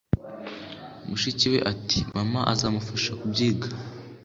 Mushiki we ati: "Mama azamufasha kubyiga."